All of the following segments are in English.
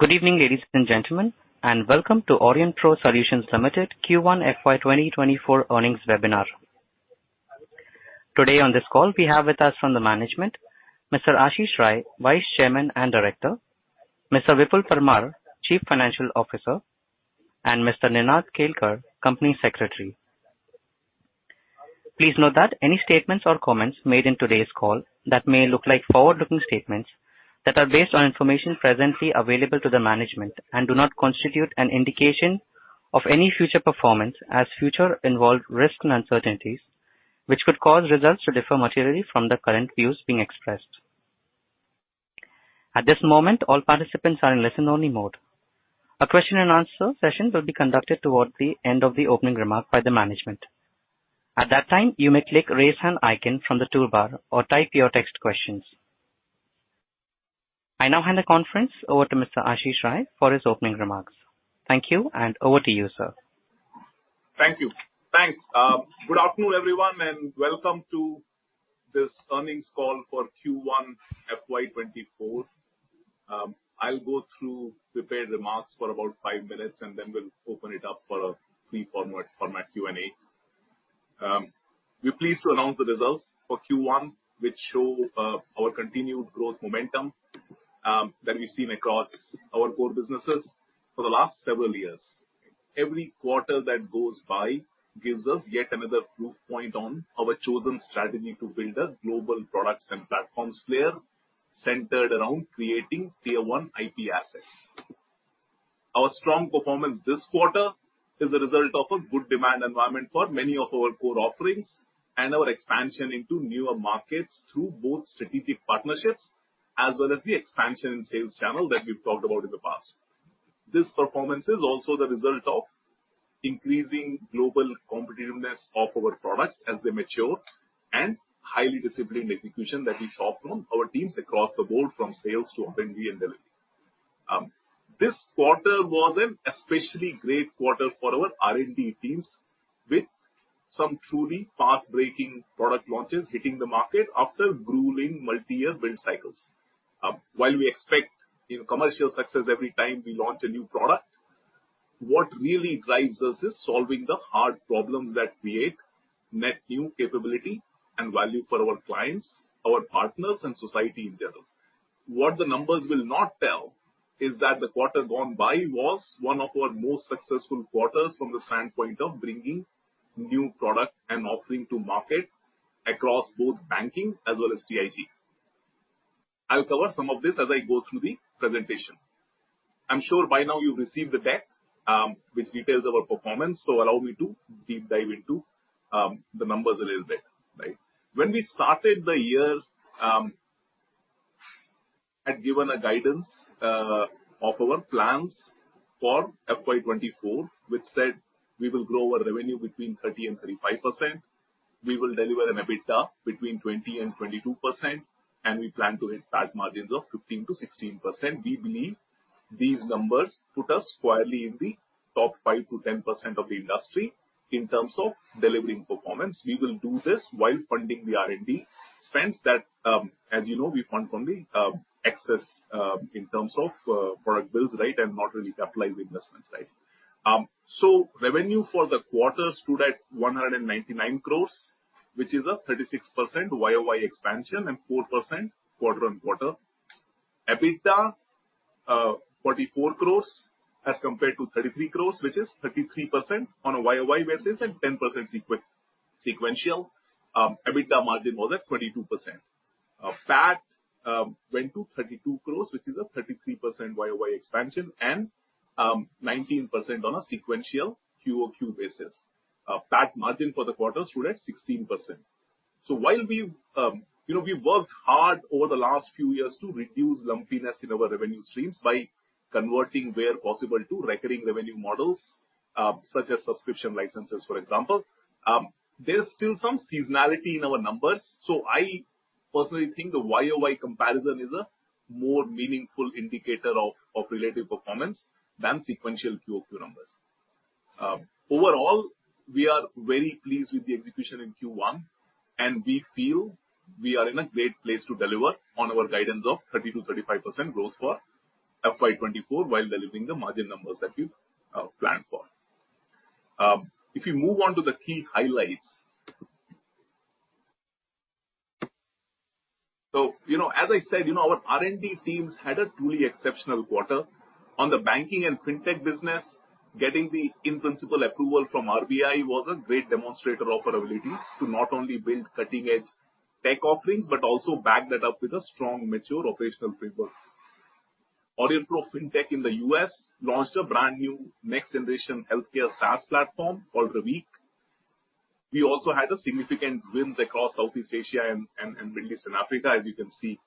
Good evening, ladies and gentlemen. Welcome to Aurionpro Solutions Limited Q1 FY 2024 Earnings Webinar. Today on this call, we have with us from the management, Mr. Ashish Rai, Vice Chairman and Director, Mr. Vipul Parmar, Chief Financial Officer, and Mr. Ninad Kelkar, Company Secretary. Please note that any statements or comments made in today's call that may look like forward-looking statements, that are based on information presently available to the management and do not constitute an indication of any future performance, as future involved risks and uncertainties, which could cause results to differ materially from the current views being expressed. At this moment, all participants are in listen-only mode. A question and answer session will be conducted towards the end of the opening remarks by the management. At that time, you may click Raise Hand icon from the toolbar or type your text questions. I now hand the conference over to Mr. Ashish Rai for his opening remarks. Thank you, and over to you, sir. Thank you. Thanks. Good afternoon, everyone, welcome to this earnings call for Q1 FY 2024. I'll go through prepared remarks for about 5 minutes, then we'll open it up for a free format Q&A. We're pleased to announce the results for Q1, which show our continued growth momentum that we've seen across our core businesses for the last several years. Every quarter that goes by gives us yet another proof point on our chosen strategy to build a global products and platforms player centered around creating tier-one IP assets. Our strong performance this quarter is a result of a good demand environment for many of our core offerings and our expansion into newer markets through both strategic partnerships as well as the expansion in sales channel that we've talked about in the past. This performance is also the result of increasing global competitiveness of our products as they mature, and highly disciplined execution that we saw from our teams across the board, from sales to R&D and delivery. This quarter was an especially great quarter for our R&D teams, with some truly path-breaking product launches hitting the market after grueling multi-year build cycles. While we expect, you know, commercial success every time we launch a new product, what really drives us is solving the hard problems that create net new capability and value for our clients, our partners, and society in general. What the numbers will not tell is that the quarter gone by was one of our most successful quarters from the standpoint of bringing new product and offering to market across both banking as well as TIG. I'll cover some of this as I go through the presentation. I'm sure by now you've received the deck, which details our performance. Allow me to deep dive into the numbers a little bit. Right. When we started the year, I'd given a guidance of our plans for FY 2024, which said we will grow our revenue between 30%-35%. We will deliver an EBITDA between 20%-22%, and we plan to hit PAT margins of 15%-16%. We believe these numbers put us squarely in the top 5%-10% of the industry in terms of delivering performance. We will do this while funding the R&D spends that, as you know, we fund from the excess in terms of product builds, right, and not really capitalized investments, right? Revenue for the quarter stood at 199 crores, which is a 36% YOY expansion and 4% quarter-on-quarter. EBITDA, 44 crores as compared to 33 crores, which is 33% on a YOY basis and 10% sequential. EBITDA margin was at 22%. PAT went to 32 crores, which is a 33% YOY expansion and 19% on a sequential QOQ basis. PAT margin for the quarter stood at 16%. While we've, you know, we've worked hard over the last few years to reduce lumpiness in our revenue streams by converting where possible to recurring revenue models, such as subscription licenses, for example, there's still some seasonality in our numbers. I personally think the YOY comparison is a more meaningful indicator of relative performance than sequential QOQ numbers. Overall, we are very pleased with the execution in Q1, and we feel we are in a great place to deliver on our guidance of 30%-35% growth for FY 2024, while delivering the margin numbers that we planned for. If you move on to the key highlights... you know, as I said, you know, our R&D teams had a truly exceptional quarter. On the banking and fintech business, getting the in-principle approval from RBI was a great demonstrator of our ability to not only build cutting-edge tech offerings, but also back that up with a strong, mature operational framework. Aurionpro Fintech in the U.S. launched a brand-new next-generation healthcare SaaS platform called Reviq. We also had a significant wins across Southeast Asia and Middle East and Africa, as you can see,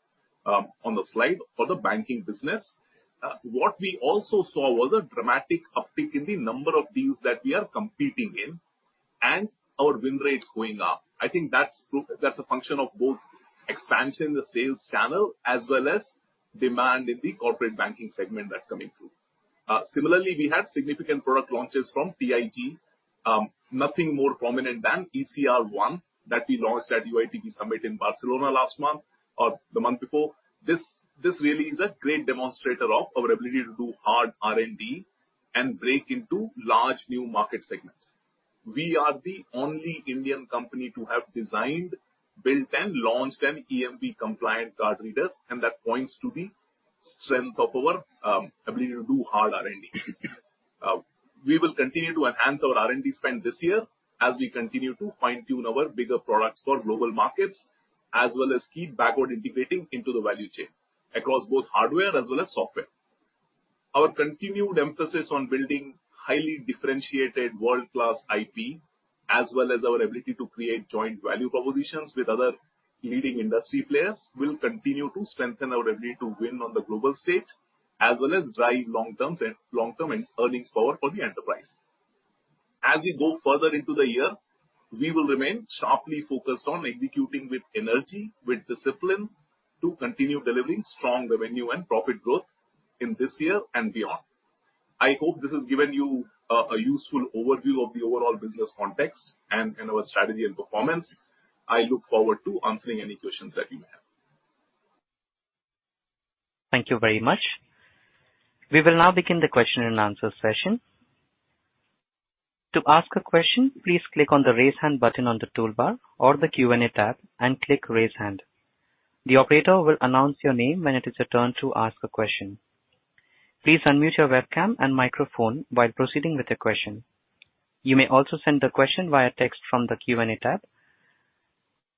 on the slide for the banking business. What we also saw was a dramatic uptick in the number of deals that we are competing in and our win rates going up. I think that's a function of both expansion in the sales channel as well as demand in the corporate banking segment that's coming through. Similarly, we had significant product launches from TIG. Nothing more prominent than ECR-One that we launched at UITP Summit in Barcelona last month or the month before. This really is a great demonstrator of our ability to do hard R&D and break into large new market segments. We are the only Indian company to have designed, built, and launched an EMV-compliant card reader. That points to the strength of our ability to do hard R&D. We will continue to enhance our R&D spend this year as we continue to fine-tune our bigger products for global markets, as well as keep backward integrating into the value chain, across both hardware as well as software. Our continued emphasis on building highly differentiated world-class IP, as well as our ability to create joint value propositions with other leading industry players, will continue to strengthen our ability to win on the global stage, as well as drive long-term earnings power for the enterprise. As we go further into the year, we will remain sharply focused on executing with energy, with discipline, to continue delivering strong revenue and profit growth in this year and beyond. I hope this has given you a useful overview of the overall business context and our strategy and performance. I look forward to answering any questions that you may have. Thank you very much. We will now begin the question and answer session. To ask a question, please click on the Raise Hand button on the toolbar or the Q&A tab and click Raise Hand. The operator will announce your name when it is your turn to ask a question. Please unmute your webcam and microphone while proceeding with the question. You may also send the question via text from the Q&A tab.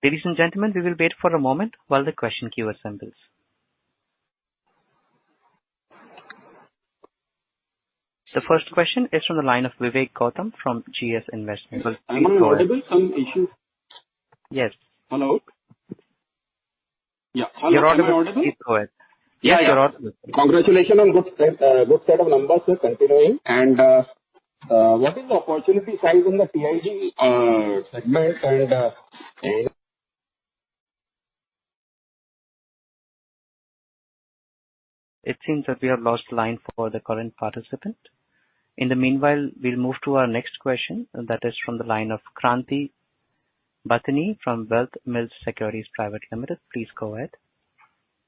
Ladies and gentlemen, we will wait for a moment while the question queue assembles. The first question is from the line of Vivek Gautam from GS Investments. Am I audible? Some issues. Yes. Hello? Yeah. You're audible. Am I audible? Please go ahead. Yeah, you're audible. Congratulations on good set of numbers, sir, continuing. What is the opportunity size in the PIT segment? It seems that we have lost line for the current participant. In the meanwhile, we'll move to our next question, and that is from the line of Kranthi Bathini from WealthMills Securities Private Limited. Please go ahead.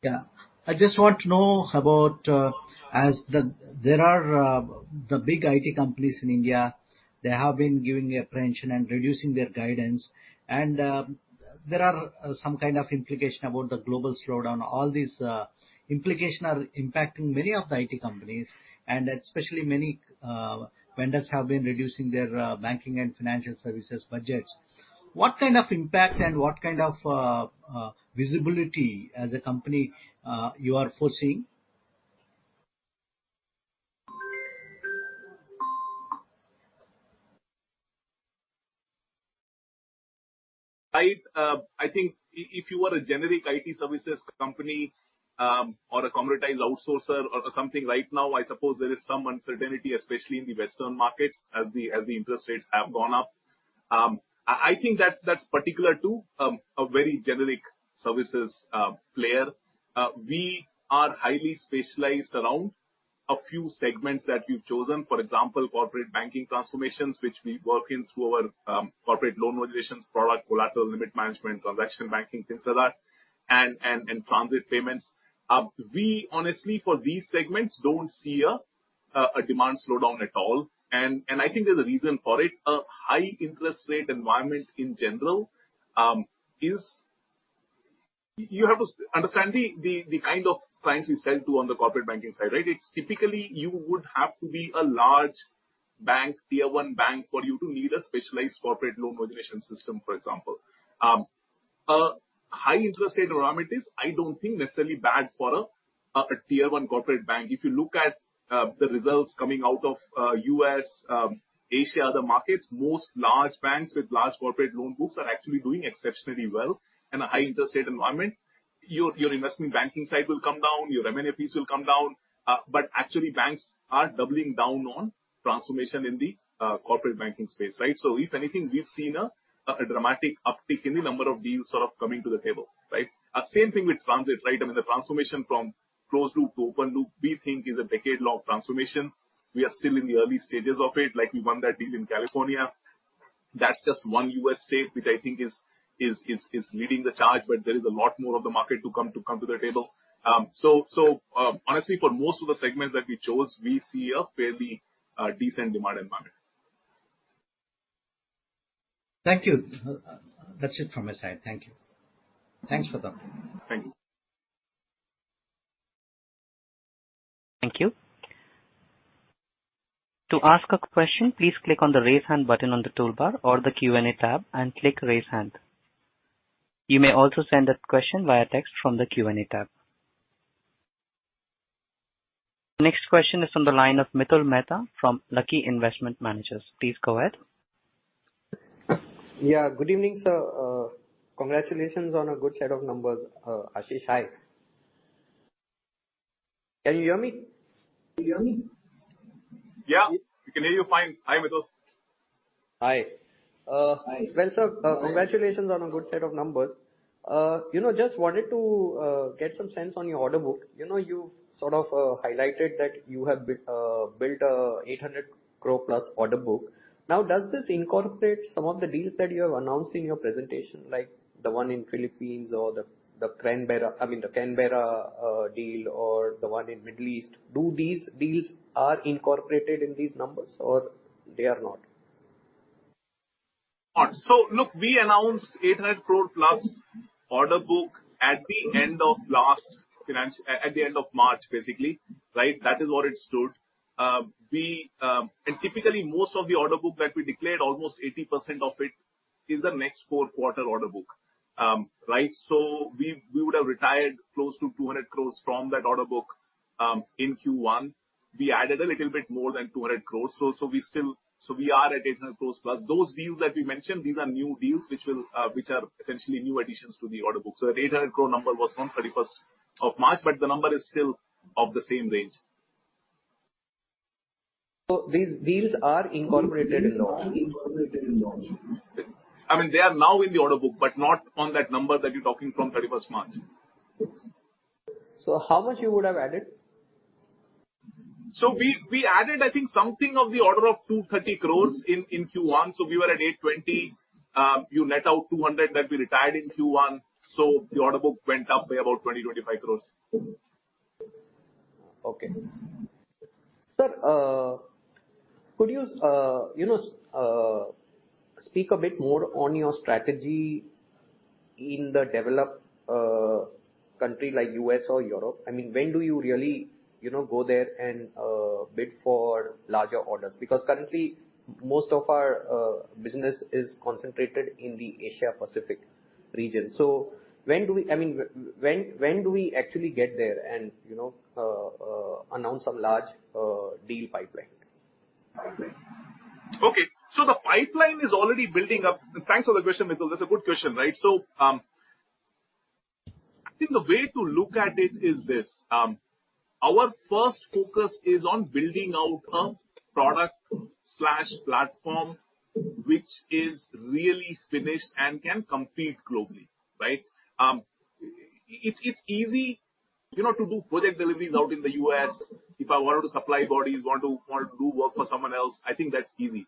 Yeah. I just want to know about. There are the big IT companies in India, they have been giving a pension and reducing their guidance, and there are some kind of implication about the global slowdown. All these implication are impacting many of the IT companies, and especially many vendors have been reducing their banking and financial services budgets. What kind of impact and what kind of visibility as a company you are foreseeing? I think if you are a generic IT services company, or a commoditized outsourcer or something, right now, I suppose there is some uncertainty, especially in the Western markets, as the interest rates have gone up. I think that's particular to a very generic services player. We are highly specialized around a few segments that we've chosen. For example, corporate banking transformations, which we work in through our corporate loan modulations product, Collateral & Limit Management, Transaction Banking, things like that, and transit payments. We honestly, for these segments, don't see a demand slowdown at all, I think there's a reason for it. A high interest rate environment in general is. You have to understand the kind of clients we sell to on the corporate banking side, right? It's typically, you would have to be a large bank, tier one bank, for you to need a specialized corporate loan origination system, for example. A high interest rate environment is, I don't think, necessarily bad for a tier one corporate bank. If you look at the results coming out of U.S., Asia, other markets, most large banks with large corporate loan books are actually doing exceptionally well in a high interest rate environment. Your, your investment banking side will come down, your M&A fees will come down, but actually, banks are doubling down on transformation in the corporate banking space, right? If anything, we've seen a dramatic uptick in the number of deals sort of coming to the table, right? Same thing with transit, right? I mean, the transformation from closed loop to open loop, we think is a decade-long transformation. We are still in the early stages of it, like we won that deal in California. That's just one U.S. state, which I think is leading the charge, but there is a lot more of the market to come, to come to the table. Honestly, for most of the segments that we chose, we see a fairly decent demand environment. Thank you. That's it from my side. Thank you. Thanks for the time. Thank you. Thank you. To ask a question, please click on the Raise Hand button on the toolbar or the Q&A tab and click Raise Hand. You may also send a question via text from the Q&A tab. Next question is from the line of Mitul Mehta, from Lucky Investment Managers. Please go ahead. Yeah, good evening, sir. Congratulations on a good set of numbers. Ashish, hi. Can you hear me? Yeah, we can hear you fine. Hi, Mitul. Hi. Hi. Well, sir, congratulations on a good set of numbers. You know, just wanted to get some sense on your order book. You know, you've sort of highlighted that you have built a 800 crore plus order book. Does this incorporate some of the deals that you have announced in your presentation, like the one in Philippines or the Canberra, I mean, the Canberra deal, or the one in Middle East? Do these deals are incorporated in these numbers or they are not? Look, we announced 800 crore plus order book at the end of last March, basically, right? That is where it stood. We. Typically, most of the order book that we declared, almost 80% of it, is the next 4-quarter order book. Right. We would have retired close to 200 crore from that order book in Q1. We added a little bit more than 200 crore, so we are at 800 crore, plus those deals that we mentioned, these are new deals which will, which are essentially new additions to the order book. The 800 crore number was on 31st of March, but the number is still of the same range. These deals are incorporated in the option? Deals are incorporated in the options. I mean, they are now in the order book, but not on that number that you're talking from 31 March. How much you would have added? We added, I think, something of the order of 230 crores in Q1. We were at 820. You net out 200 that we retired in Q1. The order book went up by about 20-25 crores. Okay. Sir, could you know, speak a bit more on your strategy in the developed country like U.S. or Europe? I mean, when do you really, you know, go there and bid for larger orders? Because currently, most of our business is concentrated in the Asia Pacific region. When do we actually get there and, you know, announce some large deal pipeline? The pipeline is already building up. Thanks for the question, Mitul. That's a good question, right? I think the way to look at it is this, our first focus is on building out a product/platform which is really finished and can compete globally, right? It's, it's easy, you know, to do project deliveries out in the U.S. If I wanted to supply bodies, want to do work for someone else, I think that's easy.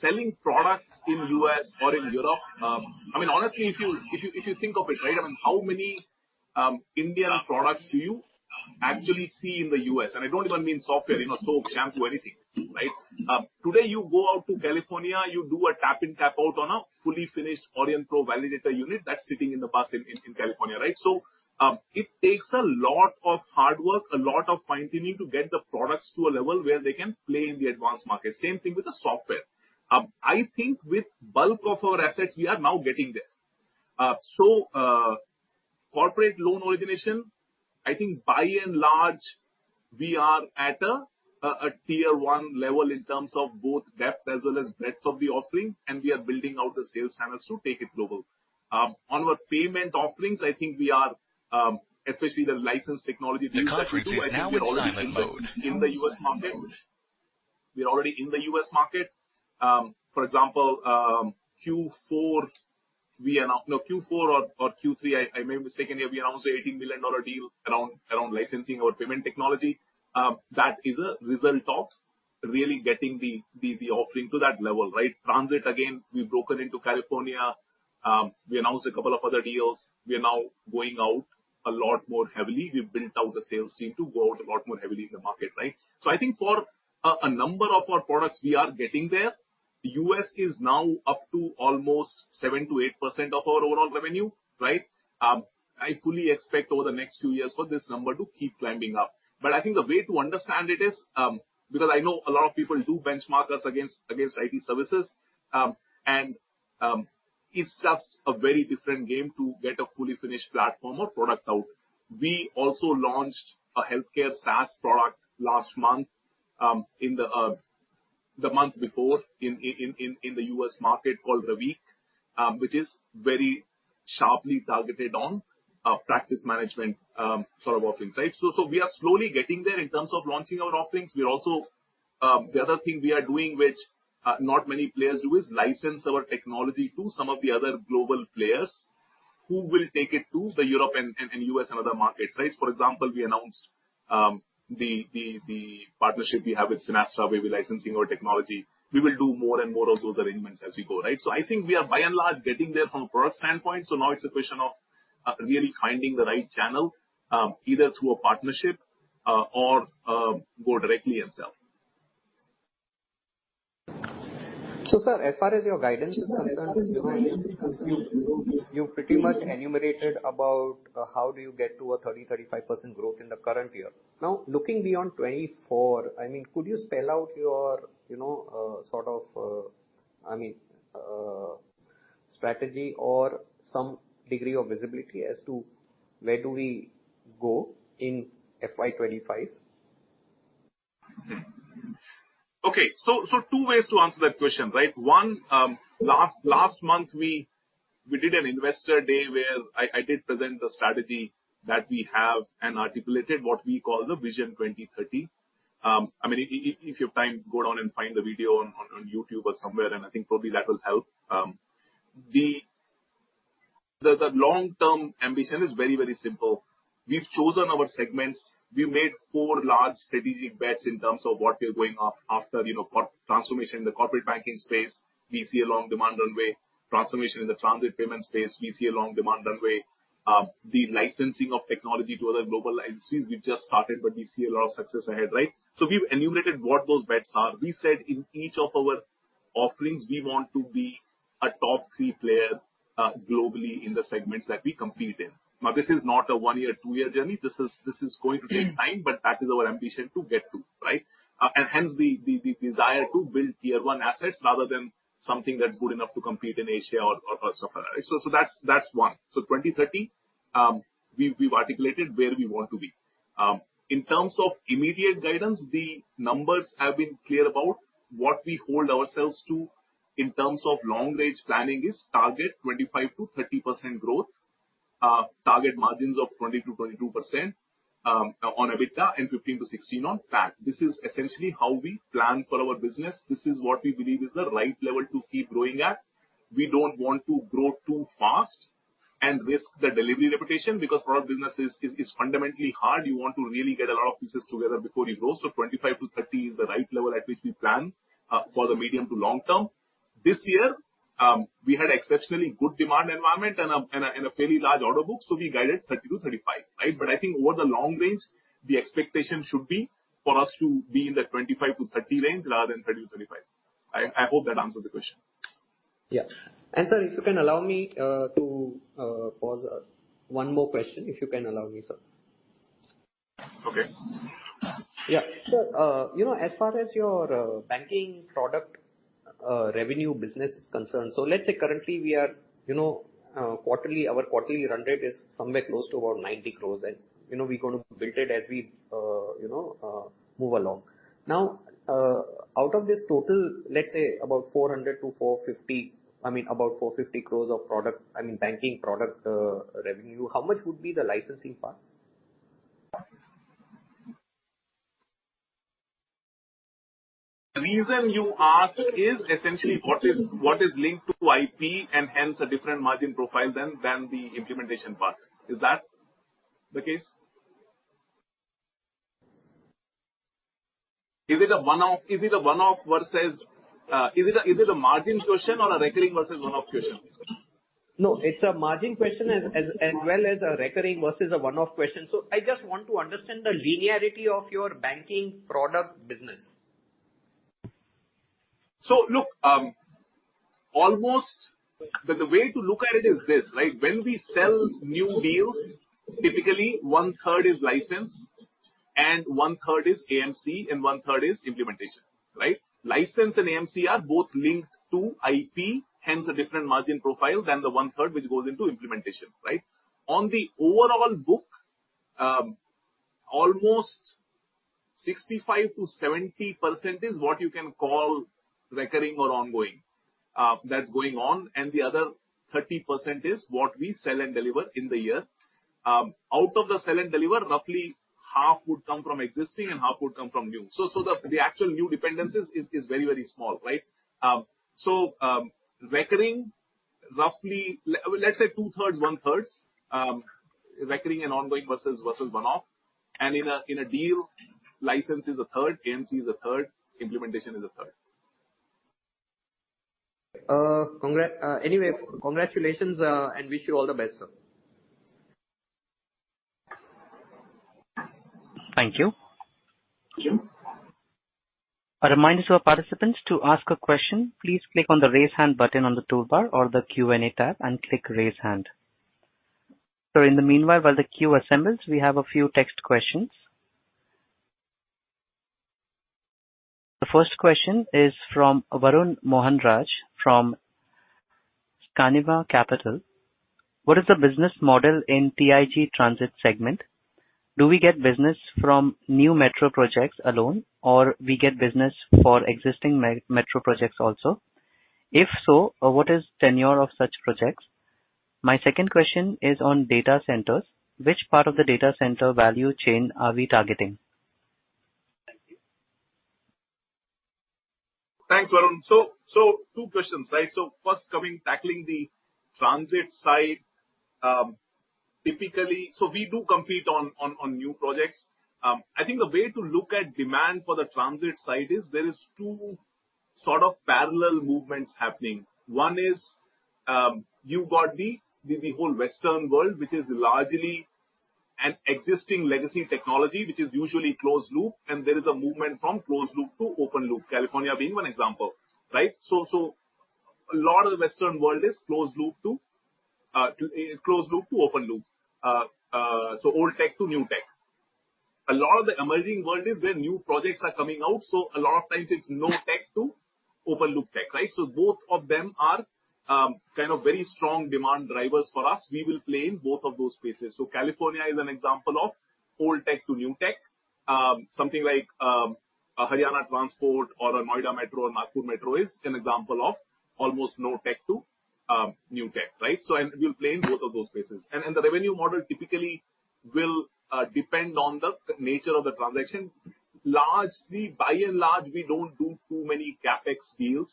Selling products in U.S. or in Europe, I mean, honestly, if you, if you, if you think of it, right, I mean, how many Indian products do you actually see in the U.S.? I don't even mean software, you know, soap, shampoo, anything, right? Today, you go out to California, you do a tap in, tap out on a fully finished Aurionpro validator unit that's sitting in the bus in California, right? It takes a lot of hard work, a lot of fine-tuning to get the products to a level where they can play in the advanced market. Same thing with the software. I think with bulk of our assets, we are now getting there. Corporate loan origination, I think by and large, we are at a tier one level in terms of both depth as well as breadth of the offering, and we are building out the sales channels to take it global. On our payment offerings, I think we are especially the licensed technology deals that we do- The conference is now in silent mode. I think we're already in the U.S. market. We're already in the U.S. market. For example, Q4 or Q3, I may be mistaken here, we announced an $18 million deal around licensing our payment technology. That is a result of really getting the offering to that level, right? Transit, again, we've broken into California. We announced a couple of other deals. We are now going out a lot more heavily. We've built out the sales team to go out a lot more heavily in the market, right? So I think for a number of our products, we are getting there. U.S. is now up to almost 7%-8% of our overall revenue, right? I fully expect over the next few years for this number to keep climbing up. I think the way to understand it is, because I know a lot of people do benchmark us against I.T. services, and it's just a very different game to get a fully finished platform or product out. We also launched a healthcare SaaS product last month, in the month before in the U.S. market called Reviq, which is very sharply targeted on practice management sort of offerings, right? We are slowly getting there in terms of launching our offerings. We are also. The other thing we are doing, which not many players do, is license our technology to some of the other global players who will take it to the Europe and U.S. and other markets, right? For example, we announced, the partnership we have with Synapse where we're licensing our technology. We will do more and more of those arrangements as we go, right? I think we are by and large, getting there from a product standpoint. Now it's a question of really finding the right channel, either through a partnership, or, go directly ourselves. Sir, as far as your guidance is concerned, you pretty much enumerated about, how do you get to a 30%-35% growth in the current year. Looking beyond 2024, I mean, could you spell out your, you know, sort of, I mean, strategy or some degree of visibility as to where do we go in FY 2025? Okay. Two ways to answer that question, right? One, last month, we did an investor day where I did present the strategy that we have and articulated what we call the Vision 2030. I mean, if you have time, go down and find the video on YouTube or somewhere, and I think probably that will help. The long-term ambition is very, very simple. We've chosen our segments. We've made four large strategic bets in terms of what we're going after, you know, for transformation in the corporate banking space, we see a long demand runway. Transformation in the transit payment space, we see a long demand runway. The licensing of technology to other global agencies, we've just started, but we see a lot of success ahead, right? We've enumerated what those bets are. We said in each of our offerings, we want to be a top three player, globally in the segments that we compete in. Now, this is not a one-year, two-year journey. This is going to take time. Mm. That is our ambition to get to, right? Hence the desire to build tier one assets rather than something that's good enough to compete in Asia or so far. That's one. 2030, we've articulated where we want to be. In terms of immediate guidance, the numbers have been clear about what we hold ourselves to in terms of long-range planning is target 25%-30% growth, target margins of 20%-22%, on EBITDA and 15%-16% on PAT. This is essentially how we plan for our business. This is what we believe is the right level to keep growing at. We don't want to grow too fast and risk the delivery reputation because product business is fundamentally hard. You want to really get a lot of pieces together before you grow. 25%-30% is the right level at which we plan for the medium to long term. This year, we had exceptionally good demand environment and a fairly large order book, so we guided 30%-35%, right? I think over the long range, the expectation should be for us to be in the 25%-30% range rather than 30%-35%. I hope that answers the question. Yeah. Sir, if you can allow me to pose one more question, if you can allow me, sir. Okay. Yeah. You know, as far as your banking product revenue business is concerned, so let's say currently we are, you know, quarterly, our quarterly run rate is somewhere close to about 90 crores, and, you know, we're gonna build it as we, you know, move along. Out of this total, let's say about 400-450, I mean about 450 crores of product, I mean, banking product revenue, how much would be the licensing part? The reason you ask is essentially what is linked to IP and hence a different margin profile than the implementation part. Is that the case? Is it a one-off versus is it a margin question or a recurring versus one-off question? No, it's a margin question as well as a recurring versus a one-off question. I just want to understand the linearity of your banking product business. Look, the way to look at it is this, right? When we sell new deals, typically one third is license, and one third is AMC, and one third is implementation, right? License and AMC are both linked to IP, hence a different margin profile than the one third, which goes into implementation, right? On the overall book, almost 65%-70% is what you can call recurring or ongoing, that's going on, and the other 30% is what we sell and deliver in the year. Out of the sell and deliver, roughly half would come from existing and half would come from new. The actual new dependencies is very, very small, right? Recurring, roughly, let's say two thirds, one thirds, recurring and ongoing versus one-off. In a deal, license is a third, AMC is a third, implementation is a third. Anyway, congratulations, and wish you all the best, sir. Thank you. A reminder to our participants, to ask a question, please click on the Raise Hand button on the toolbar or the Q&A tab and click Raise Hand. In the meanwhile, while the queue assembles, we have a few text questions. The first question is from Varun Mohanraj from Caniva Capital: What is the business model in TIG Transit segment? Do we get business from new metro projects alone, or we get business for existing metro projects also? If so, what is tenure of such projects? My second question is on data centers. Which part of the data center value chain are we targeting? Thank you. Thanks, Varun. Two questions, right? First coming, tackling the transit side. Typically, so we do compete on new projects. I think the way to look at demand for the transit side is there is two sort of parallel movements happening. One is, you've got the whole Western world, which is largely an existing legacy technology, which is usually closed loop, and there is a movement from closed loop to open loop, California being one example, right? A lot of the Western world is closed loop to closed loop to open loop. Old tech to new tech. A lot of the emerging world is where new projects are coming out, so a lot of times it's no tech to open loop tech, right? Both of them are kind of very strong demand drivers for us. We will play in both of those spaces. California is an example of old tech to new tech. Something like a Haryana Transport or a Noida Metro or Nagpur Metro is an example of almost no tech to new tech, right? We'll play in both of those spaces. The revenue model typically will depend on the nature of the transaction. Largely, by and large, we don't do too many CapEx deals.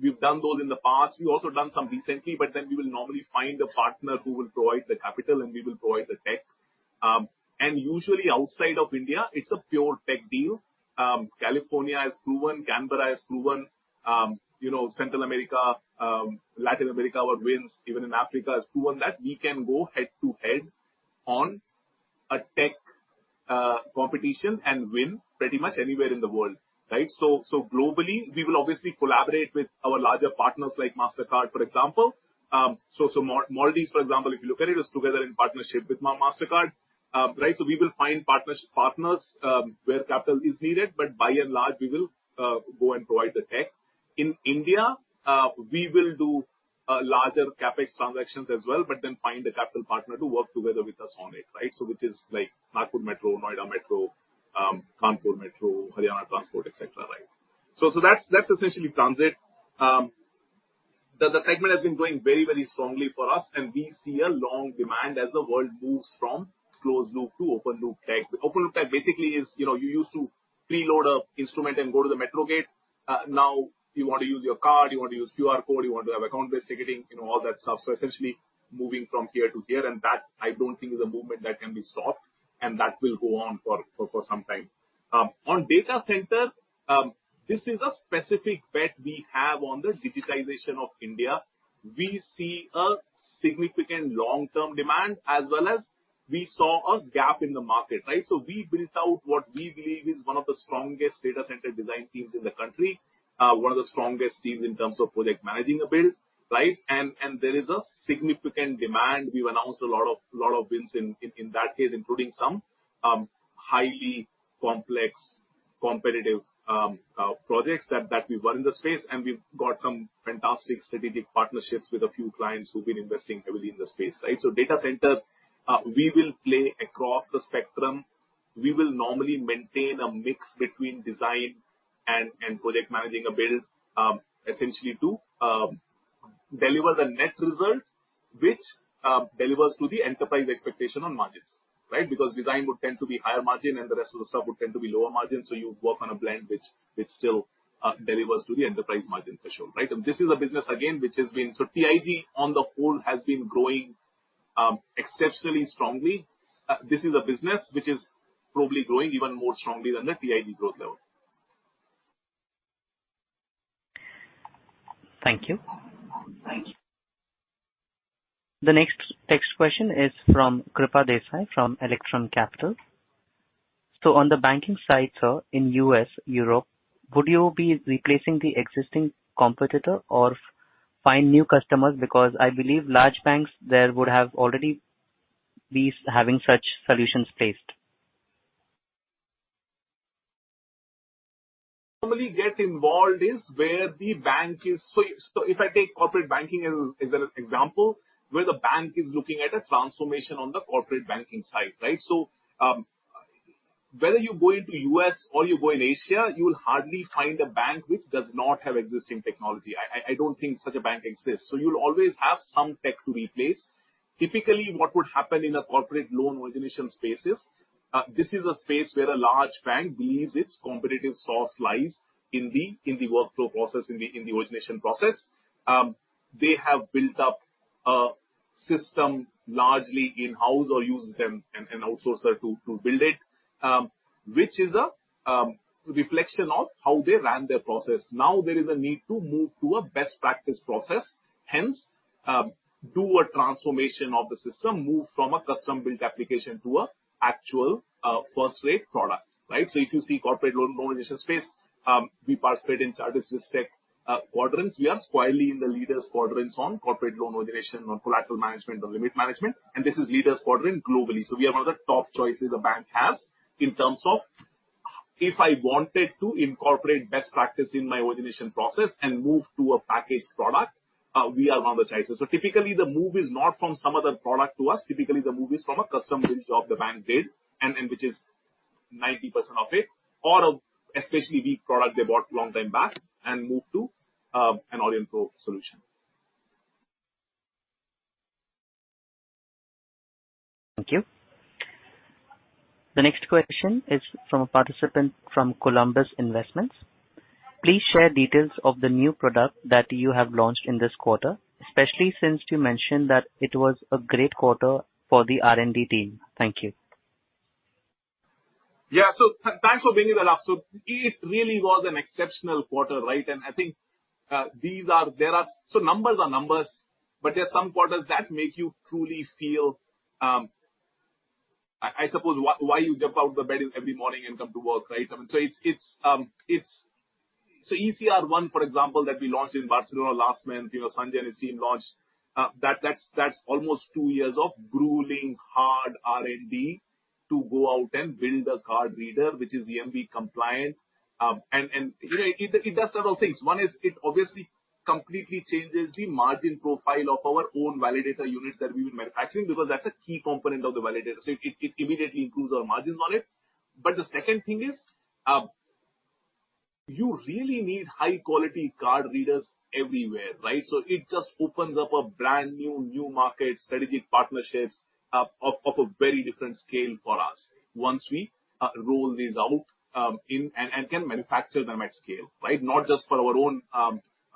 We've done those in the past. We've also done some recently, but then we will normally find a partner who will provide the capital, and we will provide the tech. Usually outside of India, it's a pure tech deal. California has proven, Canberra has proven, you know, Central America, Latin America, our wins even in Africa has proven that we can go head-to-head on a tech competition and win pretty much anywhere in the world, right? Globally, we will obviously collaborate with our larger partners like Mastercard, for example. Maldives, for example, if you look at it, is together in partnership with Mastercard. Right, we will find partners where capital is needed, but by and large, we will go and provide the tech. In India, we will do larger CapEx transactions as well, but then find a capital partner to work together with us on it, right? Which is like Nagpur Metro, Noida Metro, Kanpur Metro, Haryana Transport, et cetera, right? That's essentially transit. The segment has been growing very strongly for us. We see a long demand as the world moves from closed loop to open loop tech. Open loop tech basically is, you know, you used to preload a instrument and go to the metro gate. Now you want to use your card, you want to use QR code, you want to have account-based ticketing, you know, all that stuff. Essentially moving from here to here, and that I don't think is a movement that can be stopped, and that will go on for some time. On data center, this is a specific bet we have on the digitization of India. We see a significant long-term demand as well as we saw a gap in the market, right? We built out what we believe is one of the strongest data center design teams in the country, one of the strongest teams in terms of project managing a build, right? There is a significant demand. We've announced a lot of wins in that case, including some highly complex, competitive projects that we've won in the space, and we've got some fantastic strategic partnerships with a few clients who've been investing heavily in the space, right? Data centers, we will play across the spectrum. We will normally maintain a mix between design and project managing a build, essentially to deliver the net result, which delivers to the enterprise expectation on margins, right? Because design would tend to be higher margin, and the rest of the stuff would tend to be lower margin, so you work on a blend which still delivers to the enterprise margin for sure, right? This is a business, again. TIG, on the whole, has been growing exceptionally strongly. This is a business which is probably growing even more strongly than the TIG growth level. Thank you. Thank you. The next question is from Krupa Desai, from Electron Capital. On the banking side, sir, in U.S., Europe, would you be replacing the existing competitor or find new customers? Because I believe large banks there would have already be having such solutions placed. Normally get involved is where the bank is. If I take corporate banking as an example, where the bank is looking at a transformation on the corporate banking side, right? Whether you go into U.S. or you go in Asia, you will hardly find a bank which does not have existing technology. I don't think such a bank exists. You'll always have some tech to replace. Typically, what would happen in a corporate loan origination space is, this is a space where a large bank believes its competitive source lies in the workflow process, in the origination process. They have built up a system largely in-house or used an outsourcer to build it, which is a reflection of how they ran their process. There is a need to move to a best practice process, hence, do a transformation of the system, move from a custom-built application to a actual, first-rate product, right? If you see corporate loan origination space, we participate in Chartis, quadrants. We are squarely in the leaders quadrants on corporate loan origination, on collateral management, on limit management, and this is leaders quadrant globally. We are one of the top choices a bank has in terms of if I wanted to incorporate best practice in my origination process and move to a packaged product, we are one of the choices. Typically, the move is not from some other product to us. Typically, the move is from a custom build job the bank did, and which is 90% of it, or especially the product they bought long time back and move to an Aurionpro solution. Thank you. The next question is from a participant from Columbus Investments. Please share details of the new product that you have launched in this quarter, especially since you mentioned that it was a great quarter for the R&D team. Thank you. Thanks for bringing that up. It really was an exceptional quarter, right? I think there are numbers are numbers, but there are some quarters that make you truly feel, I suppose why you jump out of the bed every morning and come to work, right? It's ECR-one, for example, that we launched in Barcelona last month, you know, Sanjay and his team launched that's almost two years of grueling hard R&D to go out and build a card reader, which is EMV compliant. You know, it does several things. One is it completely changes the margin profile of our own validator units that we were manufacturing, because that's a key component of the validator, it immediately improves our margins on it. The second thing is, you really need high-quality card readers everywhere, right? It just opens up a brand new market, strategic partnerships of a very different scale for us once we roll these out in, and can manufacture them at scale, right? Not just for our own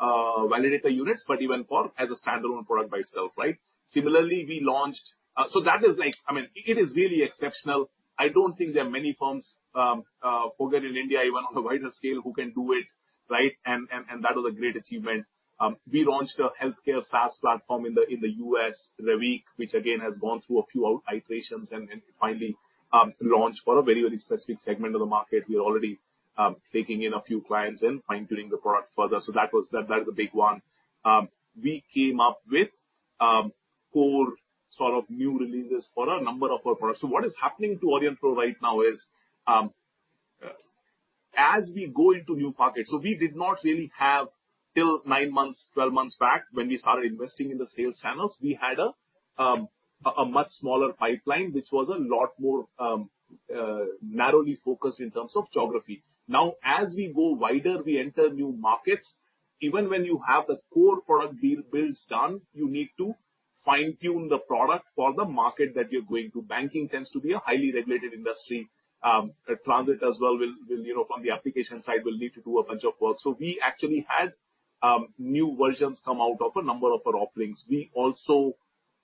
validator units, but even for as a standalone product by itself, right? Similarly, we launched. That is like, I mean, it is really exceptional. I don't think there are many firms, forget in India, even on a wider scale, who can do it, right? That was a great achievement. We launched a healthcare SaaS platform in the, in the U.S. in the week, which again, has gone through a few iterations and finally launched for a very specific segment of the market. We are already taking in a few clients and fine-tuning the product further. That is a big one. We came up with core sort of new releases for a number of our products. What is happening to Aurionpro right now is, as we go into new markets... We did not really have, till nine months, 12 months back, when we started investing in the sales channels, we had a much smaller pipeline, which was a lot more narrowly focused in terms of geography. Now, as we go wider, we enter new markets. Even when you have the core product deal builds done, you need to fine-tune the product for the market that you're going to. Banking tends to be a highly regulated industry. Transit as well will, you know, on the application side, will need to do a bunch of work. We actually had new versions come out of a number of our offerings. We also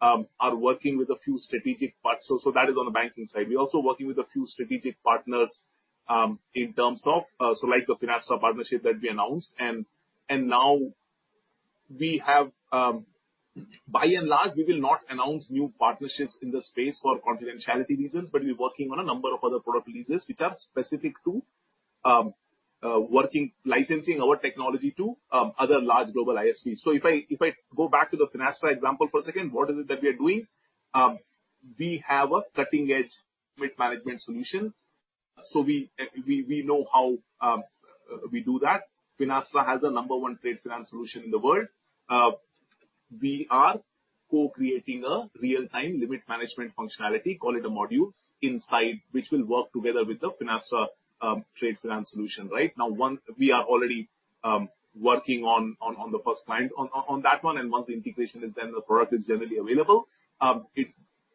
are working with a few strategic partners, so that is on the banking side. We're also working with a few strategic partners, in terms of, so like the Finastra partnership that we announced. Now we have, by and large, we will not announce new partnerships in the space for confidentiality reasons, but we're working on a number of other product releases which are specific to working, licensing our technology to other large global SIs. If I go back to the Finastra example for a second, what is it that we are doing? We have a cutting-edge risk management solution, so we know how we do that. Finastra has the number one trade finance solution in the world. We are co-creating a real-time limit management functionality, call it a module, inside, which will work together with the Finastra trade finance solution, right? Now, one, we are already working on the first client on that one, and once the integration is done, the product is generally available, it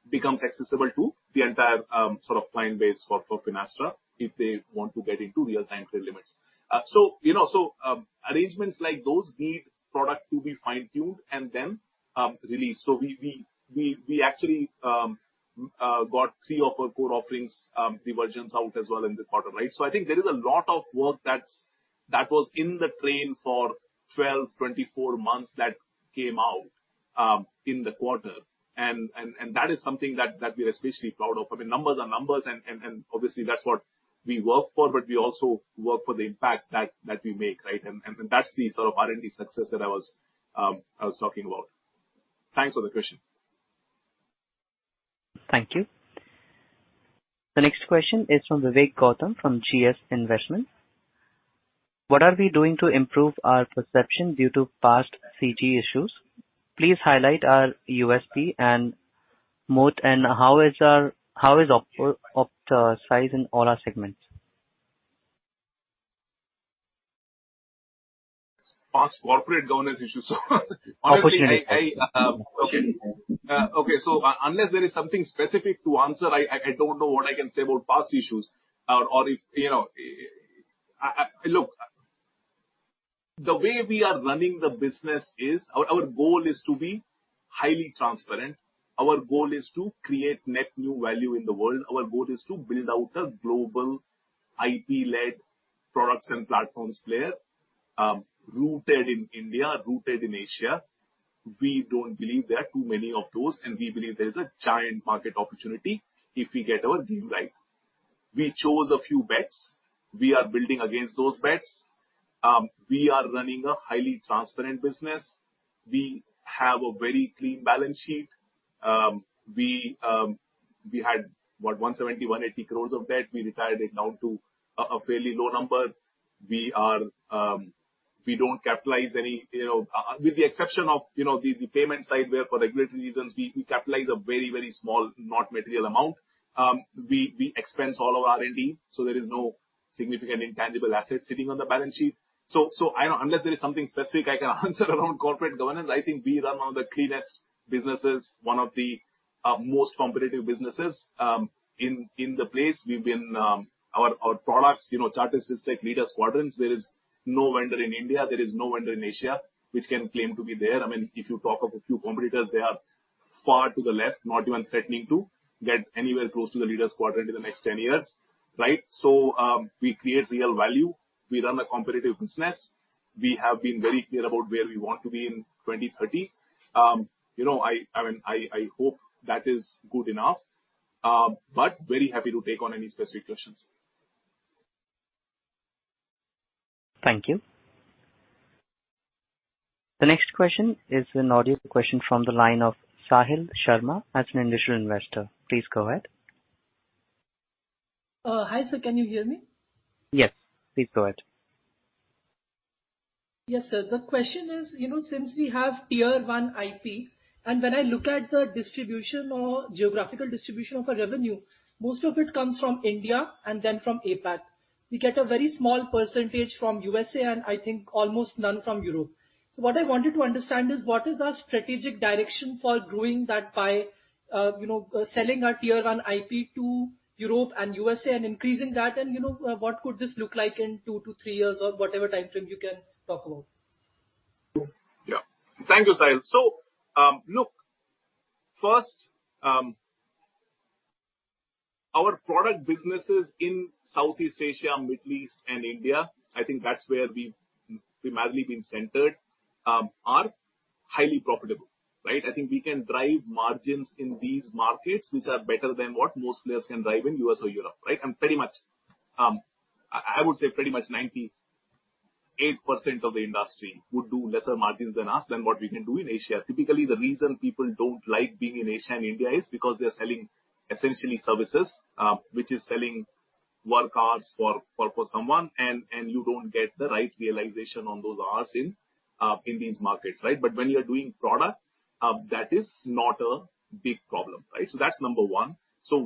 becomes accessible to the entire sort of client base for Finastra if they want to get into real-time trade limits. You know, so arrangements like those need product to be fine-tuned and then released. We actually got three of our core offerings, new versions out as well in the quarter. I think there is a lot of work that was in the plane for 12, 24 months that came out in the quarter. That is something that we're especially proud of. I mean, numbers are numbers, and obviously, that's what we work for, but we also work for the impact that we make. That's the sort of R&D success that I was talking about. Thanks for the question. Thank you. The next question is from Vivek Gautam, from GS Investments. What are we doing to improve our perception due to past CG issues? Please highlight our USP and moat, and how is ops size in all our segments? Past corporate governance issues. Opportunities. Honestly, I don't know what I can say about past issues. Or if, you know, the way we are running the business is, our goal is to be highly transparent. Our goal is to create net new value in the world. Our goal is to build out a global IP-led products and platforms player, rooted in India, rooted in Asia. We don't believe there are too many of those, we believe there's a giant market opportunity if we get our deal right. We chose a few bets. We are building against those bets. We are running a highly transparent business. We have a very clean balance sheet. We had, what? 170-180 crores of debt. We retired it down to a fairly low number. We don't capitalize any, you know, with the exception of, you know, the payment side, where for regulatory reasons, we capitalize a very small, not material amount. We expense all of our R&D, so there is no significant intangible assets sitting on the balance sheet. Unless there is something specific I can answer around corporate governance, I think we run one of the cleanest businesses, one of the most competitive businesses in the place. We've been, our products, you know, Chartis like leader quadrants. There is no vendor in India, there is no vendor in Asia, which can claim to be there. I mean, if you talk of a few competitors, they are far to the left, not even threatening to get anywhere close to the leader's quadrant in the next 10 years, right? We create real value. We run a competitive business. We have been very clear about where we want to be in 2030. You know, I mean, I hope that is good enough, but very happy to take on any specific questions. Thank you. The next question is an audio question from the line of Sahil Sharma at Individual Investor. Please go ahead. Hi, sir, can you hear me? Yes, please go ahead. Yes, sir. The question is, you know, since we have tier one IP, and when I look at the distribution or geographical distribution of our revenue, most of it comes from India and then from APAC. We get a very small percentage from USA and I think almost none from Europe. What I wanted to understand is what is our strategic direction for growing that by, you know, selling our tier one IP to Europe and USA and increasing that? What could this look like in two to three years or whatever timeframe you can talk about? Thank you, Sahil. Look, first, our product businesses in Southeast Asia, Middle East, and India, I think that's where we've primarily been centered, are highly profitable, right? I think we can drive margins in these markets which are better than what most players can drive in U.S. or Europe, right? Pretty much, I would say pretty much 98% of the industry would do lesser margins than us than what we can do in Asia. Typically, the reason people don't like being in Asia and India is because they're selling essentially services, which is selling work hours for someone, and you don't get the right realization on those hours in these markets, right? When you are doing product, that is not a big problem, right? That's number 1.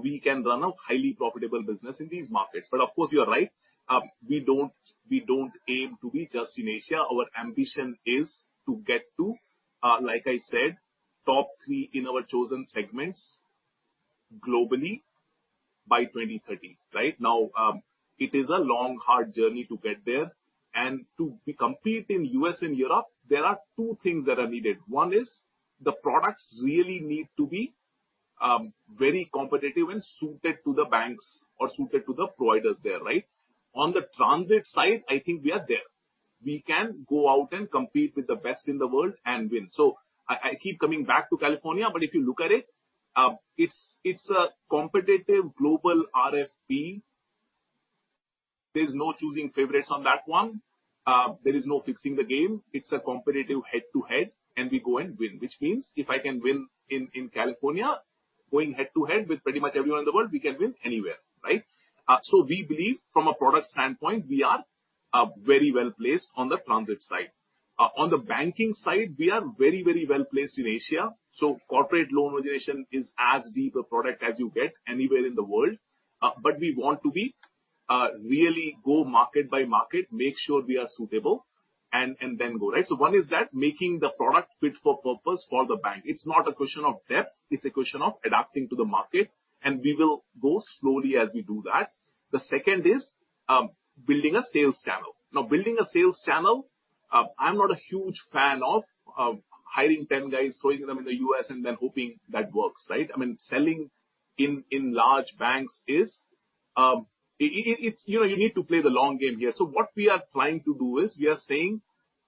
We can run a highly profitable business in these markets. Of course, you are right. We don't, we don't aim to be just in Asia. Our ambition is to get to, like I said, top three in our chosen segments globally by 2030, right? Now, it is a long, hard journey to get there. To compete in U.S. and Europe, there are two things that are needed. One is, the products really need to be very competitive and suited to the banks or suited to the providers there, right? On the transit side, I think we are there. We can go out and compete with the best in the world and win. I keep coming back to California, but if you look at it's a competitive global RFP. There's no choosing favorites on that one. There is no fixing the game. It's a competitive head-to-head, and we go and win, which means if I can win in California, going head-to-head with pretty much everyone in the world, we can win anywhere, right? We believe from a product standpoint, we are very well-placed on the transit side. On the banking side, we are very, very well-placed in Asia, so corporate loan origination is as deep a product as you get anywhere in the world. We want to be really go market by market, make sure we are suitable, and then go, right? One is that making the product fit for purpose for the bank. It's not a question of depth, it's a question of adapting to the market, and we will go slowly as we do that. The second is building a sales channel. Building a sales channel, I'm not a huge fan of hiring 10 guys, throwing them in the U.S. and then hoping that works, right? I mean, selling in large banks is, it's... You know, you need to play the long game here. What we are trying to do is we are saying,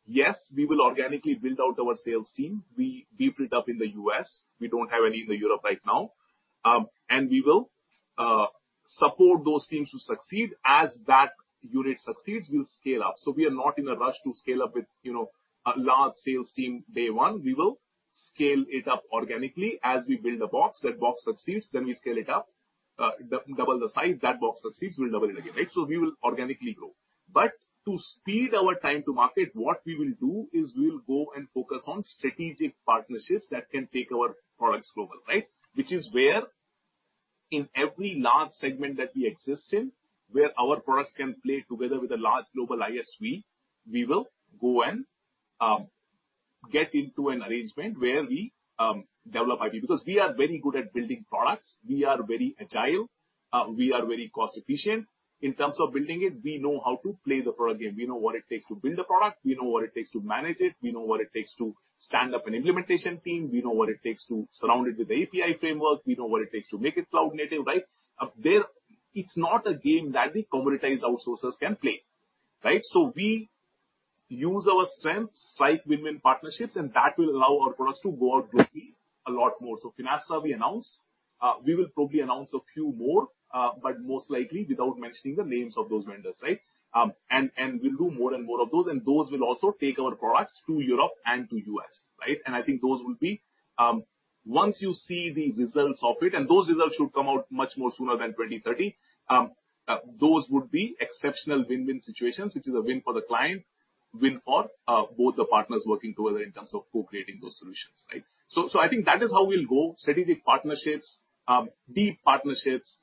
yes, we will organically build out our sales team. We built it up in the U.S., we don't have any in the Europe right now. We will support those teams to succeed. As that unit succeeds, we'll scale up. We are not in a rush to scale up with, you know, a large sales team day 1. We will scale it up organically as we build a box. That box succeeds, then we scale it up. double the size, that box succeeds, we'll double it again, right? We will organically grow. To speed our time to market, what we will do is we'll go and focus on strategic partnerships that can take our products global, right? Which is where in every large segment that we exist in, where our products can play together with a large global ISV, we will go and get into an arrangement where we develop IP. Because we are very good at building products, we are very agile, we are very cost efficient. In terms of building it, we know how to play the product game. We know what it takes to build a product, we know what it takes to manage it, we know what it takes to stand up an implementation team, we know what it takes to surround it with API framework, we know what it takes to make it cloud-native, right? Up there, it's not a game that the commoditized outsourcers can play, right? We use our strengths, strike win-win partnerships, and that will allow our products to go out quickly a lot more. Finastra we announced, we will probably announce a few more, but most likely without mentioning the names of those vendors, right? We'll do more and more of those, and those will also take our products to Europe and to U.S., right? I think those will be... Once you see the results of it, those results should come out much more sooner than 2030, those would be exceptional win-win situations. It is a win for the client, win for both the partners working together in terms of co-creating those solutions, right? I think that is how we'll go. Strategic partnerships, deep partnerships,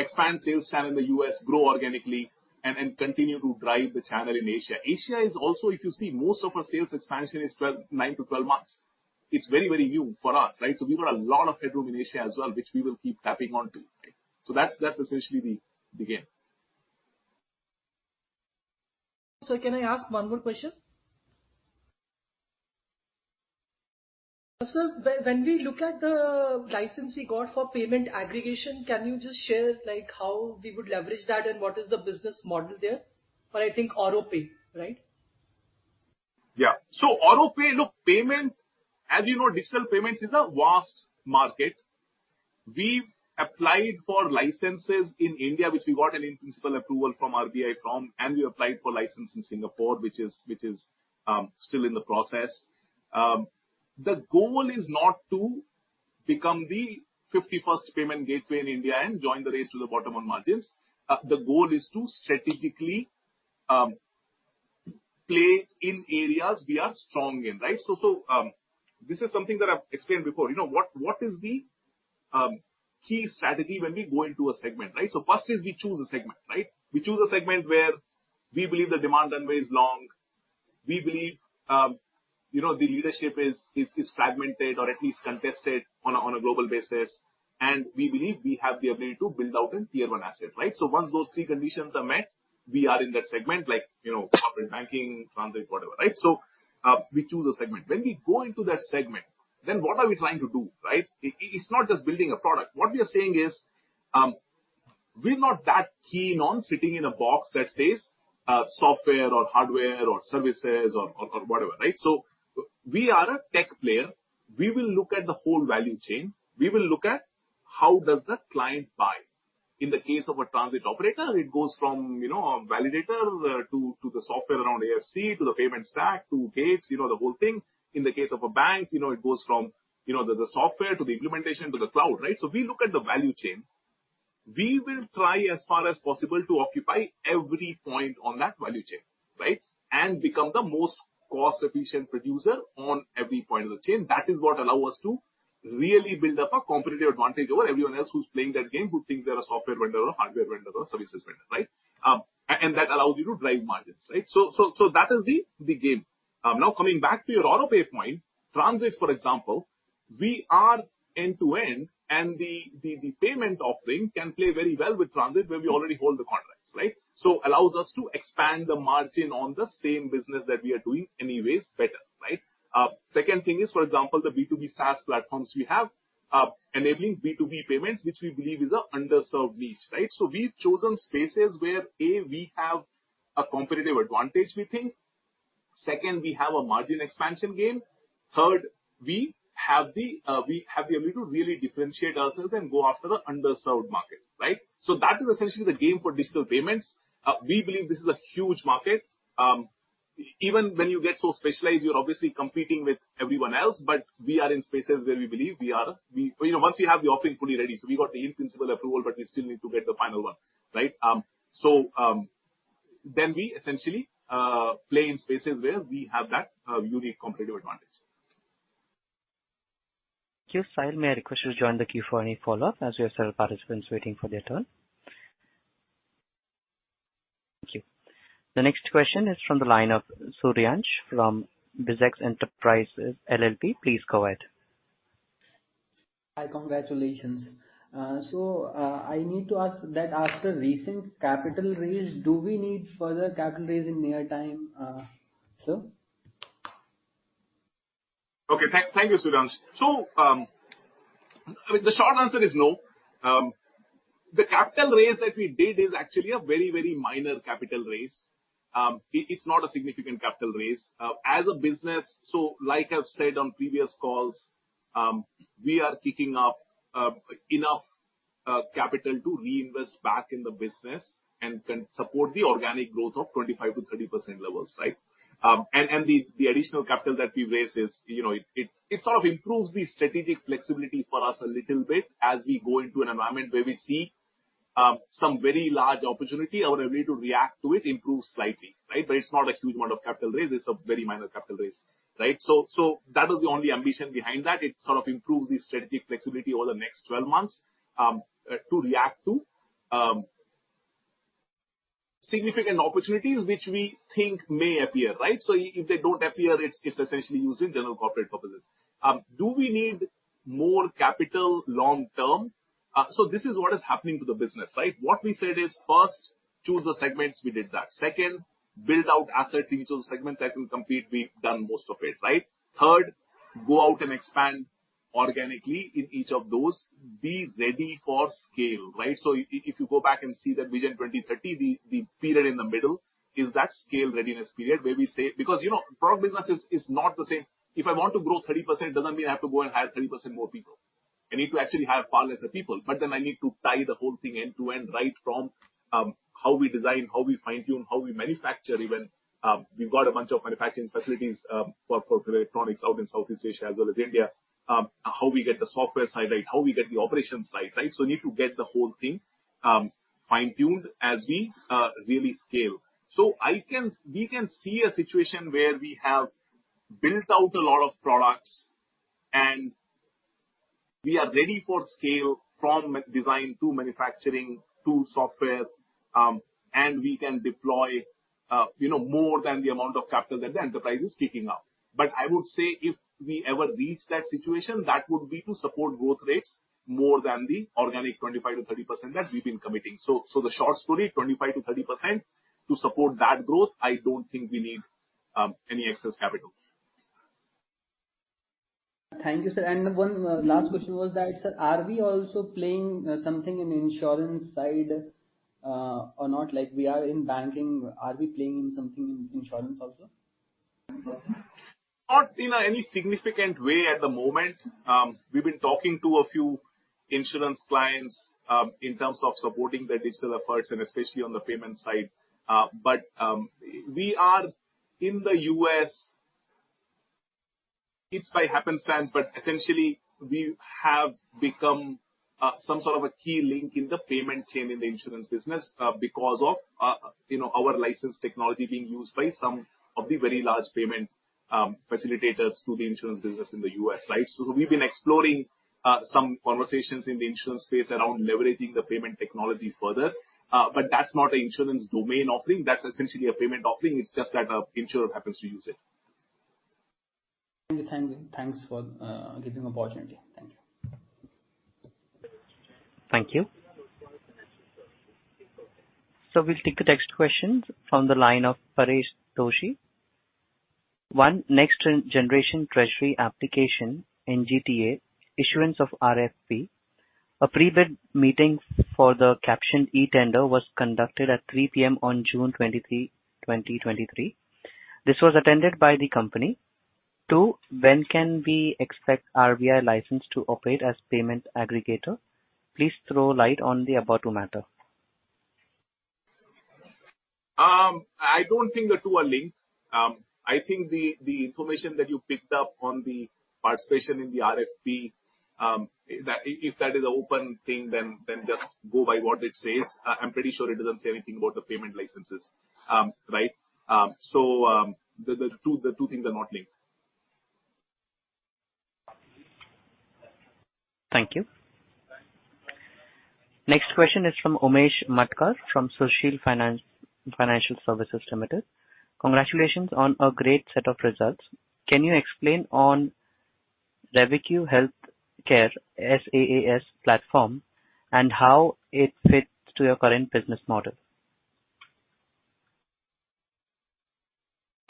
expand sales channel in the U.S., grow organically and continue to drive the channel in Asia. Asia is also, if you see, most of our sales expansion is 9 to 12 months. It's very, very new for us, right? We've got a lot of headroom in Asia as well, which we will keep tapping onto. That's essentially the game. Sir, can I ask one more question? Sir, when we look at the license you got for payment aggregation, can you just share, like, how we would leverage that and what is the business model there? For, I think, AuroPay, right? Yeah. AuroPay, look, payment, as you know, digital payments is a vast market. We've applied for licenses in India, which we got an in-principle approval from RBI, we applied for license in Singapore, which is still in the process. The goal is not to become the 51st payment gateway in India and join the race to the bottom on margins. The goal is to strategically play in areas we are strong in, right? This is something that I've explained before. You know, what is the key strategy when we go into a segment, right? First is we choose a segment, right? We choose a segment where we believe the demand runway is long. We believe, you know, the leadership is fragmented or at least contested on a global basis, and we believe we have the ability to build out a tier one asset, right? Once those three conditions are met, we are in that segment, like, you know, corporate banking, transit, whatever, right? We choose a segment. When we go into that segment, then what are we trying to do, right? It's not just building a product. What we are saying is, we're not that keen on sitting in a box that says, software or hardware or services or whatever, right? We are a tech player. We will look at the whole value chain. We will look at how does that client buy. In the case of a transit operator, it goes from, you know, a validator, to the software around AFC, to the payment stack, to gates, you know, the whole thing. In the case of a bank, you know, it goes from, you know, the software to the implementation to the cloud, right? We look at the value chain. We will try as far as possible to occupy every point on that value chain, right? Become the most cost-efficient producer on every point of the chain. That is what allow us to really build up a competitive advantage over everyone else who's playing that game, who think they're a software vendor or a hardware vendor or services vendor, right? That allows you to drive margins, right? That is the game. Now coming back to your AuroPay point, transit, for example, we are end-to-end, and the payment offering can play very well with transit, where we already hold the contracts, right? Allows us to expand the margin on the same business that we are doing anyways better, right? Second thing is, for example, the B2B SaaS platforms we have, enabling B2B payments, which we believe is a underserved niche, right? We've chosen spaces where, A, we have a competitive advantage, we think. Second, we have a margin expansion game. Third, we have the ability to really differentiate ourselves and go after the underserved market, right? That is essentially the game for digital payments. We believe this is a huge market. Even when you get so specialized, you're obviously competing with everyone else, but we are in spaces where we believe we are You know, once we have the offering fully ready. We got the in-principle approval, but we still need to get the final one, right? We essentially play in spaces where we have that unique competitive advantage. Thank you, Sahil. May I request you to join the queue for any follow-up, as we have several participants waiting for their turn? Thank you. The next question is from the line of Suryansh from Bizx Enterprise LLP. Please go ahead. Hi, congratulations. I need to ask that after recent capital raise, do we need further capital raise in near time, sir? Okay. Thank you, Suryansh. The short answer is no. The capital raise that we did is actually a very, very minor capital raise. It's not a significant capital raise. As a business, like I've said on previous calls, we are kicking up enough capital to reinvest back in the business and can support the organic growth of 25%-30% levels, right? The additional capital that we raised is, you know, it sort of improves the strategic flexibility for us a little bit as we go into an environment where we see some very large opportunity, our ability to react to it improves slightly, right? It's not a huge amount of capital raise, it's a very minor capital raise, right? That was the only ambition behind that. It sort of improves the strategic flexibility over the next 12 months to react to significant opportunities which we think may appear, right? If they don't appear, it's essentially used in general corporate purposes. Do we need more capital long term? This is what is happening to the business, right? What we said is, first, choose the segments. We did that. Second, build out assets in each of the segments that will compete. We've done most of it, right? Third, go out and expand organically in each of those. Be ready for scale, right? If you go back and see that Vision 2030, the period in the middle is that scale readiness period, where we say. Because, you know, product business is not the same. If I want to grow 30%, it doesn't mean I have to go and hire 30% more people. I need to actually hire far less people, I need to tie the whole thing end to end, right? From, how we design, how we fine-tune, how we manufacture even. We've got a bunch of manufacturing facilities, for electronics out in Southeast Asia, as well as India. How we get the software side, right, how we get the operations side, right? Need to get the whole thing, fine-tuned as we really scale. We can see a situation where we have built out a lot of products and we are ready for scale from design to manufacturing to software, and we can deploy, you know, more than the amount of capital that the enterprise is kicking up. I would say if we ever reach that situation, that would be to support growth rates more than the organic 25%-30% that we've been committing. The short story, 25%-30%. To support that growth, I don't think we need any excess capital. Thank you, sir. One last question was that, sir, are we also playing something in insurance side or not? Like we are in banking, are we playing in something in insurance also? Not in a, any significant way at the moment. We've been talking to a few insurance clients in terms of supporting their digital efforts and especially on the payment side. We are in the U.S., it's by happenstance, but essentially we have become some sort of a key link in the payment chain in the insurance business, because of, you know, our licensed technology being used by some of the very large payment facilitators to the insurance business in the US, right? We've been exploring some conversations in the insurance space around leveraging the payment technology further. That's not an insurance domain offering. That's essentially a payment offering. It's just that a insurer happens to use it. Thanks for giving the opportunity. Thank you. Thank you. We'll take the next question from the line of Paresh Doshi. One, Next Generation Treasury Application, NGTA, issuance of RFP. A pre-bid meeting for the captioned e-tender was conducted at 3:00 P.M. on June 23, 2023. This was attended by the company. Two, when can we expect RBI license to operate as payment aggregator? Please throw light on the above 2 matter. I don't think the two are linked. I think the information that you picked up on the participation in the RFP. If that is an open thing, then just go by what it says. I'm pretty sure it doesn't say anything about the payment licenses. Right? The two things are not linked. Thank you. Next question is from Umesh Matkar, from Sushil Financial Services Private Limited. Congratulations on a great set of results. Can you explain on Reviq Healthcare SaaS platform and how it fits to your current business model?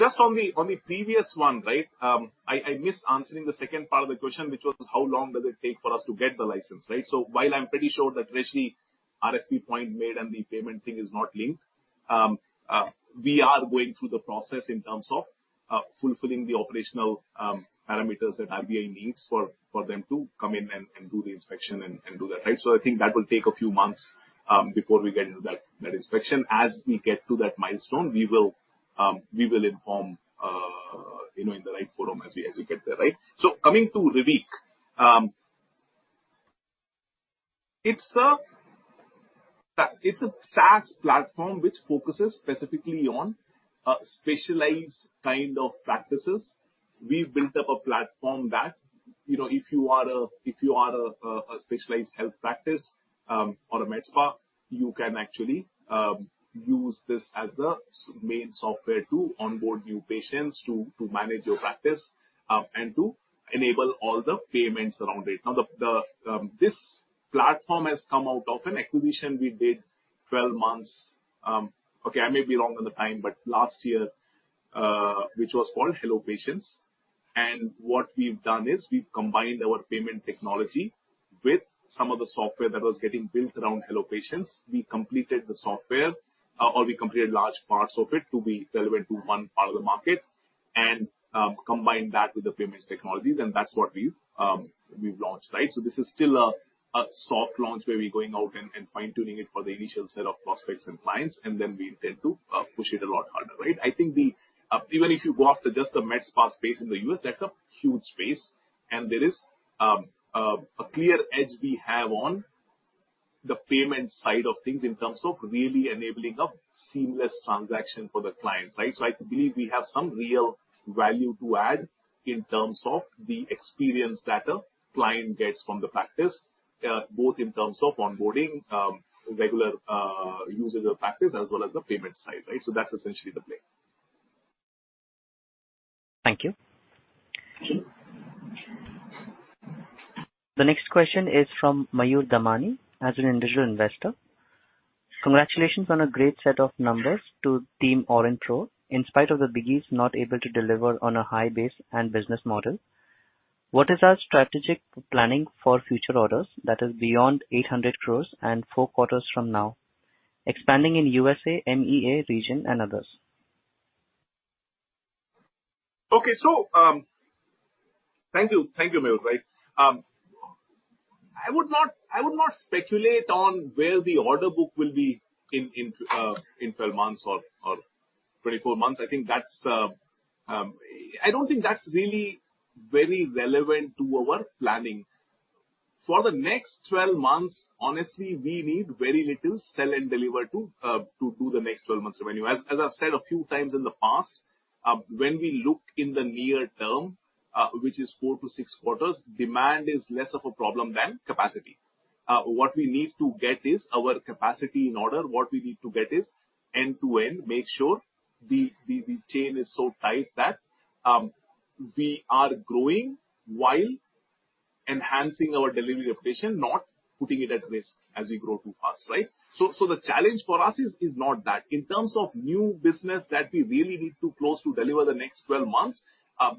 Just on the, on the previous one, right? I missed answering the second part of the question, which was how long does it take for us to get the license, right? While I'm pretty sure that actually RFP point made and the payment thing is not linked, we are going through the process in terms of fulfilling the operational parameters that RBA needs for them to come in and do the inspection and do that, right? I think that will take a few months before we get into that inspection. As we get to that milestone, we will, we will inform, you know, in the right forum as we, as we get there, right? Coming to Reviq, it's a, it's a SaaS platform which focuses specifically on specialized kind of practices. We've built up a platform that, you know, if you are a specialized health practice, or a med spa, you can actually use this as the main software to onboard new patients, to manage your practice, and to enable all the payments around it. Now, this platform has come out of an acquisition we did 12 months. Okay, I may be wrong on the time, but last year, which was called Hello Patients. What we've done is we've combined our payment technology with some of the software that was getting built around Hello Patients. We completed the software, or we completed large parts of it to be relevant to one part of the market and combined that with the payments technologies, and that's what we've launched, right? This is still a soft launch, where we're going out and fine-tuning it for the initial set of prospects and clients, then we intend to push it a lot harder, right? I think the even if you go after just the med spa space in the U.S., that's a huge space, and there is a clear edge we have on the payment side of things in terms of really enabling a seamless transaction for the client, right? I believe we have some real value to add in terms of the experience that a client gets from the practice, both in terms of onboarding, regular users of the practice, as well as the payment side, right? That's essentially the play. Thank you. Thank you. The next question is from Mayur Damani, as an individual investor. Congratulations on a great set of numbers to team Aurionpro, in spite of the biggies not able to deliver on a high base and business model. What is our strategic planning for future orders that is beyond 800 crores and four quarters from now, expanding in USA, MEA region and others? Thank you. Thank you, Mayur, right. I would not speculate on where the order book will be in 12 months or 24 months. I think that's, I don't think that's really very relevant to our planning. For the next 12 months, honestly, we need very little sell and deliver to do the next 12 months of revenue. As I've said a few times in the past, when we look in the near term, which is 4 to 6 quarters, demand is less of a problem than capacity. What we need to get is our capacity in order. What we need to get is end-to-end, make sure the chain is so tight that we are growing while enhancing our delivery efficiency, not putting it at risk as we grow too fast, right? The challenge for us is not that. In terms of new business that we really need to close to deliver the next 12 months,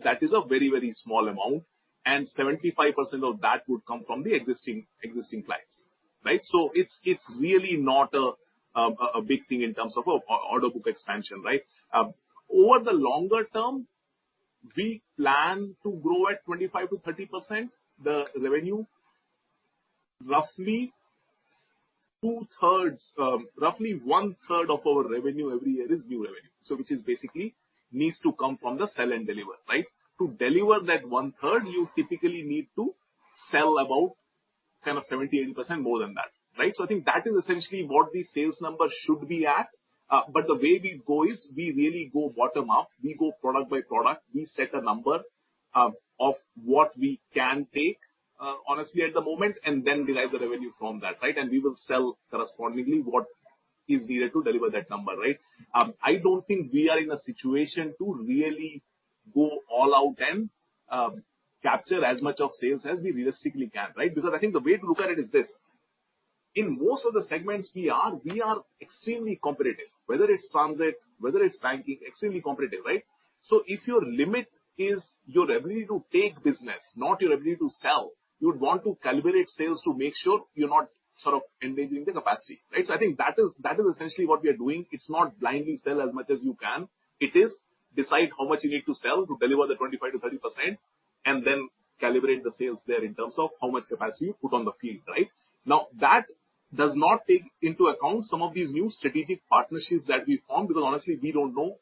that is a very, very small amount, and 75% of that would come from the existing clients, right? It's really not a big thing in terms of order book expansion, right? Over the longer term. We plan to grow at 25%-30%. The revenue, roughly two-thirds, roughly one-third of our revenue every year is new revenue. Which is basically needs to come from the sell and deliver, right? To deliver that one-third, you typically need to sell about kind of 70%, 80% more than that, right? I think that is essentially what the sales numbers should be at. But the way we go is we really go bottom up. We go product by product. We set a number of what we can take, honestly, at the moment and then derive the revenue from that, right? We will sell correspondingly what is needed to deliver that number, right? I don't think we are in a situation to really go all out and capture as much of sales as we realistically can, right? I think the way to look at it is this: in most of the segments we are, we are extremely competitive, whether it's transit, whether it's banking, extremely competitive, right? If your limit is your ability to take business, not your ability to sell, you would want to calibrate sales to make sure you're not sort of invading the capacity, right? I think that is, that is essentially what we are doing. It's not blindly sell as much as you can. It is decide how much you need to sell to deliver the 25%-30%, and then calibrate the sales there in terms of how much capacity you put on the field, right? That does not take into account some of these new strategic partnerships that we formed, because honestly, we don't know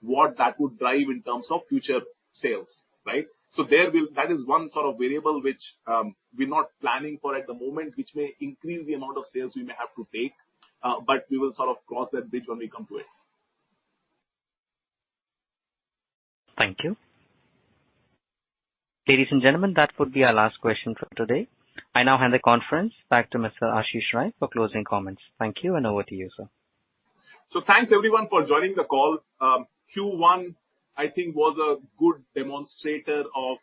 what that would drive in terms of future sales, right? That is one sort of variable which, we're not planning for at the moment, which may increase the amount of sales we may have to take, but we will sort of cross that bridge when we come to it. Thank you. Ladies and gentlemen, that would be our last question for today. I now hand the conference back to Mr. Ashish Rai for closing comments. Thank you. Over to you, sir. Thanks, everyone, for joining the call. Q1, I think, was a good demonstrator of,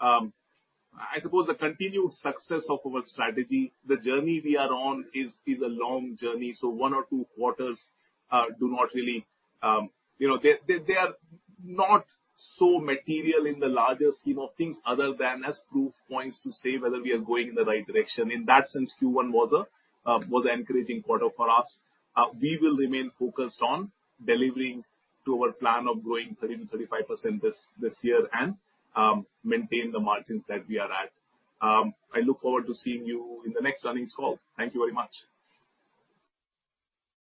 I suppose the continued success of our strategy. The journey we are on is a long journey, so one or two quarters do not really. You know, they are not so material in the larger scheme of things other than as proof points to say whether we are going in the right direction. In that sense, Q1 was an encouraging quarter for us. We will remain focused on delivering to our plan of growing 30%-35% this year and maintain the margins that we are at. I look forward to seeing you in the next earnings call. Thank you very much.